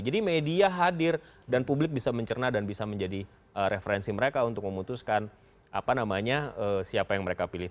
jadi media hadir dan publik bisa mencerna dan bisa menjadi referensi mereka untuk memutuskan siapa yang mereka pilih